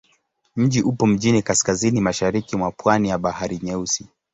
Mji upo mjini kaskazini-mashariki mwa pwani ya Bahari Nyeusi.